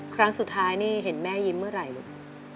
ครั้งสุดท้ายนี่เห็นแม่ยิ้มเมื่อไหร่ลูก